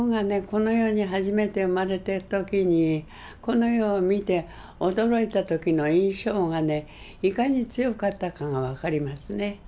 この世に初めて生まれた時にこの世を見て驚いた時の印象がねいかに強かったかが分かりますね。